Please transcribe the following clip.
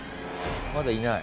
まだいない？